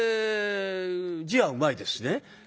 字はうまいですしね。